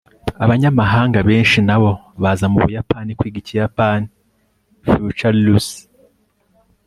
abanyamahanga benshi nabo baza mubuyapani kwiga ikiyapani. (futurulus